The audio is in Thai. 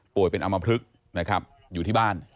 โปรยเป็นอามพฤกษ์นะครับอยู่ที่บ้าน